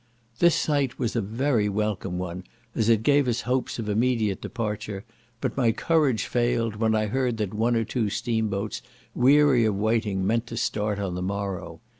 This sight was a very welcome one, as it gave us hopes of immediate departure, but my courage failed, when I heard that one or two steam boats, weary of waiting, meant to start on the morrow.